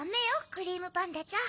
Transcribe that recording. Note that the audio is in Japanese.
クリームパンダちゃん。